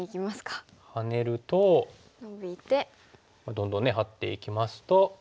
どんどんねハッていきますと。